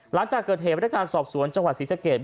หลังจากเกิดเหตุพนักงานสอบสวนจังหวัดศรีสะเกด